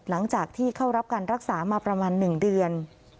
หลังจากที่เข้ารับการรักษามาประมาณ๑เดือน